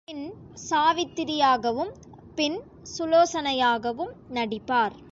பின் சாவித்திரியாகவும், பின் சுலோசனையாகவும் நடிப்பார்.